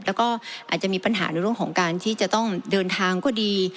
แล้วก็อาจจะมีปัญหาในเรื่องของการที่จะต้องเดินทางก็ดี